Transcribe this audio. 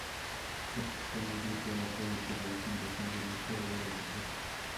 Participó en el grupo de apoyo para la fundación del Museo de la Mujer.